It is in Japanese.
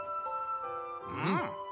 うん。